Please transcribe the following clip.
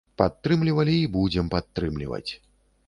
Падтрымлівалі і будзем падтрымліваць!